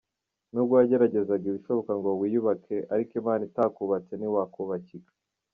Nubwo wagerageza ibishoboka byose ngo wiyubake, ariko Imana itakubatse ntiwakubakika.